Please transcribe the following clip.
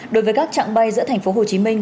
đối với các chặng bay giữa thành phố hồ chí minh